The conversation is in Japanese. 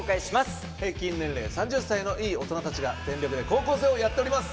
平均年齢３０歳のいい大人たちが全力で高校生をやっております。